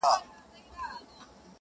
خود نو په دغه يو سـفر كي جادو.